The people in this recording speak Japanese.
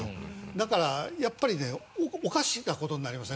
だからやっぱりねおかしな事になりますね